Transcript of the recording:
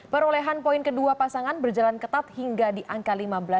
perolehan poin kedua pasangan berjalan ketat hingga di angka lima belas